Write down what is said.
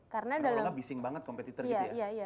karena orang orang bising banget kompetitor gitu ya